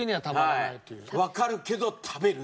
わかるけど食べる！